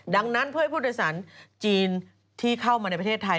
ดังนั้นเพื่อให้ผู้โดยสารจีนที่เข้ามาในประเทศไทย